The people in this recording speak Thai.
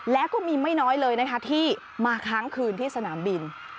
แล้วก็มีไม่น้อยเลยนะคะที่มาค้างคืนที่สนามบิน